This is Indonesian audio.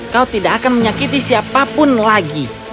kau tidak akan menyakiti siapapun lagi